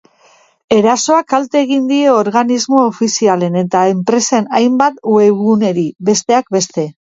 Erasoak kalte egin die organismo ofizialen eta enpresen hainbat webguneri, bestek beste.